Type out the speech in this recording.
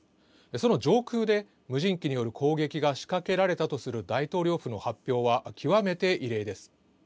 その上空で、無人機による攻撃が仕掛けられたとする大統領府の発表は極めて異例です。